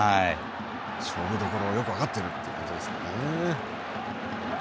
勝負どころをよく分かっているということですね。